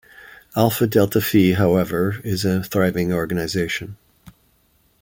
Alpha Delta Phi, however, is a thriving organization.